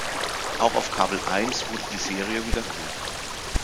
Auch auf kabel eins wurde die Serie wiederholt.